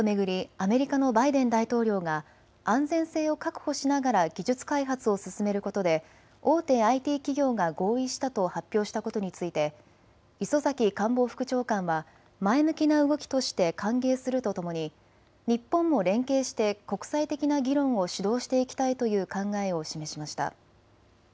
アメリカのバイデン大統領が安全性を確保しながら技術開発を進めることで大手ＩＴ企業が合意したと発表したことについて磯崎官房副長官は前向きな動きとして歓迎するとともに日本も連携して国際的な議論を主導していきたいという考えを示しました。